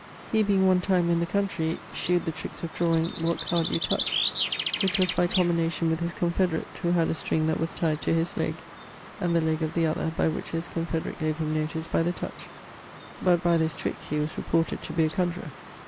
He being one time in the country, shewed the tricks of drawing what card you touched, which was by combination with his confederate, who had a string that was tyed to his leg, and the leg of the other, by which his confederate gave him notice by the touch; but by this trick, he was reported to be a conjuror.